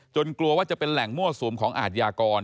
กลัวว่าจะเป็นแหล่งมั่วสุมของอาทยากร